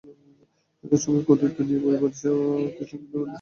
একই সঙ্গে কর্তৃত্ব নিয়ে পরিষেবা প্রতিষ্ঠানগুলোর মধ্যে সমন্বয়ের দায়িত্ব পালন করতে হবে।